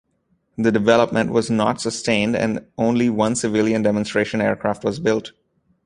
The development was not sustained and only one civilian demonstration aircraft was built.